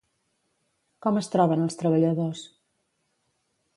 Com es troben els treballadors?